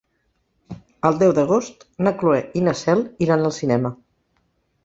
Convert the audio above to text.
El deu d'agost na Cloè i na Cel iran al cinema.